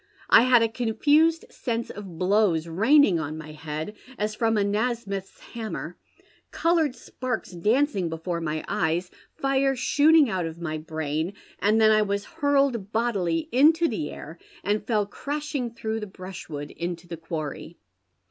1 had a confused sense of blows raining on my head, as from a Nasmyth's hammer, coloured sparks dancing before my eyes, fire shooting out of my brain, and tlien I was hurled bodily into'^he air, and fell crashing through the bmshwooii into the quarry.